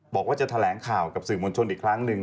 บอกว่าจะแถลงข่าวกับสื่อมวลชนอีกครั้งหนึ่ง